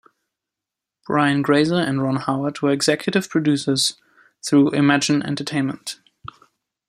Brian Grazer and Ron Howard were executive producers through Imagine Entertainment.